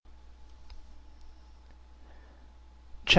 p.